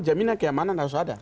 jaminan keamanan harus ada